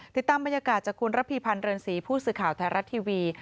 ติดตามบรรยากาศจากคุณระพีพันธ์เรือนศรีผู้สื่อข่าวไทยรัฐทีวี